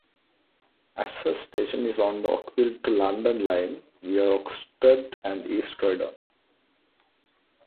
Ashurst station is on the Uckfield to London line via Oxted and East Croydon.